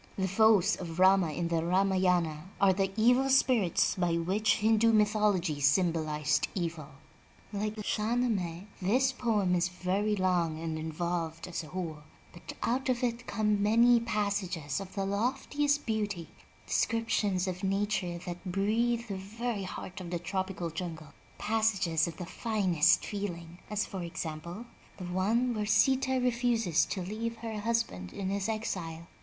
The foes of Rama in the Ramayana are the evil spirits by which Hindu myth ology symbolized evil. Like the Shah Nameh, this poem is very long and involved as a whole, but out of it come many passages of the loftiest beauty — descriptions of nature that breathe the very heart of the tropical jungle, passages of the finest feeling, as for example, the one where Sita refuses to leave her husband in his exile.